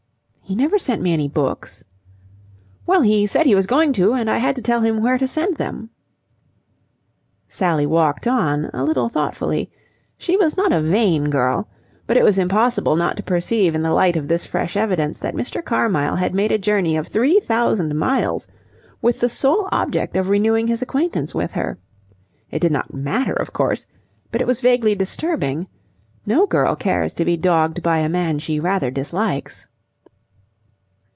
"He never sent me any books." "Well, he said he was going to, and I had to tell him where to send them." Sally walked on, a little thoughtfully. She was not a vain girl, but it was impossible not to perceive in the light of this fresh evidence that Mr. Carmyle had made a journey of three thousand miles with the sole object of renewing his acquaintance with her. It did not matter, of course, but it was vaguely disturbing. No girl cares to be dogged by a man she rather dislikes.